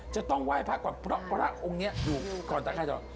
จะต้องไหว้พระก่อนเพราะพระองค์นี้อยู่ก่อนตะไข่ก่อน